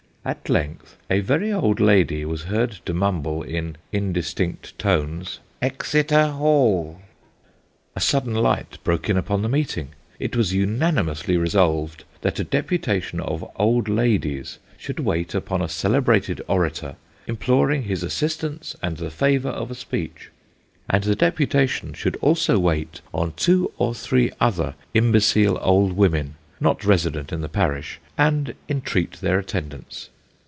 At length, a very old lady was heard to mumble, in indistinct tones, " Exeter Hall." A sudden light broke in upon the meeting. It was unanimously resolved, that a deputation of old ladies should wait upon a celebrated orator, imploring his assist ance, and the favour of a speech ; and the deputation should also wait on two or three other imbecile old women, not resident in the parish, and entreat their attendance.